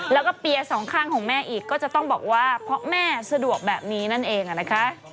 แล้วก็เปียสองข้างของแม่อีกก็จะต้องบอกว่าเพราะแม่สะดวกแบบนี้นั่นเองนะคะ